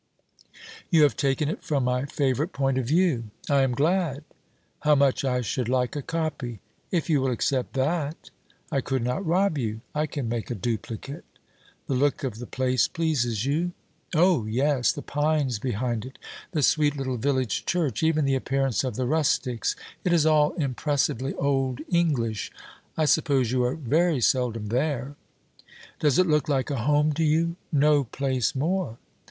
'You have taken it from my favourite point of view.' 'I am glad.' 'How much I should like a copy!' 'If you will accept that?' 'I could not rob you.' 'I can make a duplicate.' 'The look of the place pleases you?' 'Oh! yes; the pines behind it; the sweet little village church; even the appearance of the rustics; it is all impressively old English. I suppose you are very seldom there?' 'Does it look like a home to you?' 'No place more!'